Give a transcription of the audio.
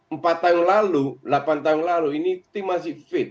empat tahun lalu delapan tahun lalu ini tim masih fit